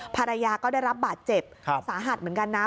ภรรยาก็ได้รับบาดเจ็บสาหัสเหมือนกันนะ